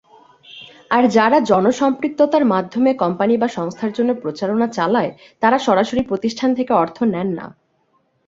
আর যারা জন সম্পৃক্ততার মাধ্যমে কোম্পানি বা সংস্থার জন্য প্রচারণা চালায়, তারা সরাসরি প্রতিষ্ঠান থেকে অর্থ নেন না।